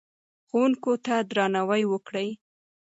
ښوونکو ته درناوی وکړئ.